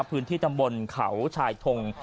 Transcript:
พื้นที่ตำบลเขาชายทง